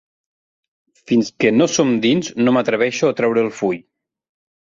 Fins que no som dins no m'atreveixo a treure el full.